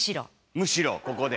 むしろここで。